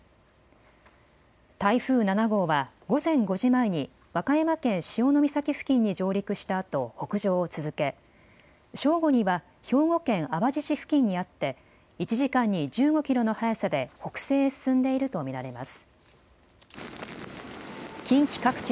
台風７号は午前５時前に和歌山県潮岬付近に上陸したあと北上を続け正午には兵庫県淡路市付近にあって１時間に１５キロの速さで北西へ進んでいると見られます。